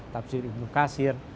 tafsir ibn qasir